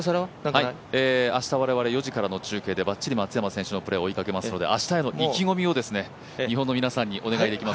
明日我々４時からの中継で、バッチリ松山選手、追いかけますので明日への意気込みを日本の皆さんにお願いします。